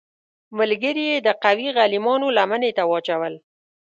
ملګري یې د قوي غلیمانو لمنې ته واچول.